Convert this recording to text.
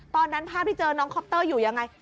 ตอนนั้นพระพี่เจอน้องคอปเตอร์อยู่ยังไง